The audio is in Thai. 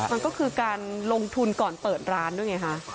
มันก็คือการลงทุนก่อนเปิดร้านด้วยไงคะ